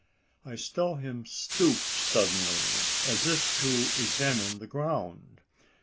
I saw him stoop suddenly, as if to examine the ground.